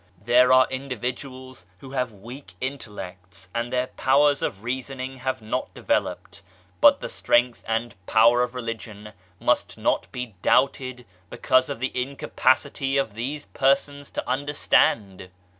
There are individuals who have weak intellects and their powers of reasoning have not developed, but RELIGION AND SCIENCE 135 the strength and power of Religion must not be doubted because of the incapacity of these persons to understand.